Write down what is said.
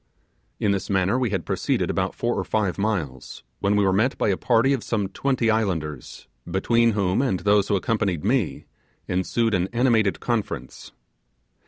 In this manner we had proceeded about four or five miles, when we were met by a party of some twenty islanders, between whom and those who accompanied me ensued an animated conference.